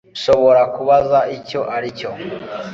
Nshobora kubaza icyo aricyo